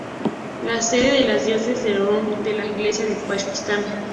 Es la sede de la diócesis de Lahore, de la Iglesia de Pakistán.